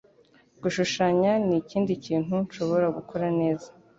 Gushushanya ni ikindi kintu nshobora gukora neza.